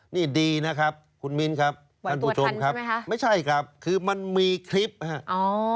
นี่ดีนะครับคุณมิ้นครับท่านผู้ชมครับไม่ใช่ครับคือมันมีคลิปฮะอ๋อ